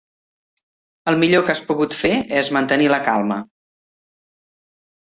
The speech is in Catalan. El millor que has pogut fer és mantenir la calma.